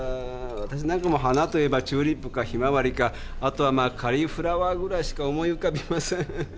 わたしなんかも花といえばチューリップかヒマワリか後はまあカリフラワーぐらいしか思い浮かびません。